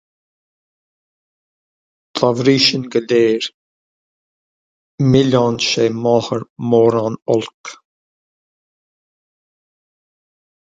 Dá mbrí sin go léir, milleán sé máthair mórán olc